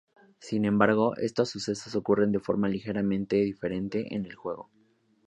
Sin embargo, estos sucesos ocurren de forma ligeramente diferente en el juego.